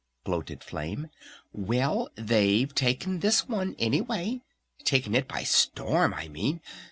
gloated Flame. "Well, they've taken this one, anyway! Taken it by storm, I mean!